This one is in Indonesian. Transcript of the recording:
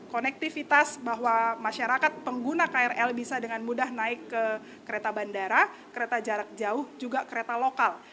konektivitas bahwa masyarakat pengguna krl bisa dengan mudah naik ke kereta bandara kereta jarak jauh juga kereta lokal